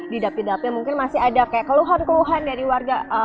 di dapil dapil mungkin masih ada kayak keluhan keluhan dari warga